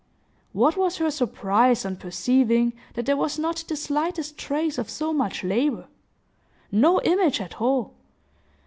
What was her surprise, on perceiving that there was not the slightest trace of so much labor!—no image at all!